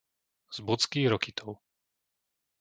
Zbudský Rokytov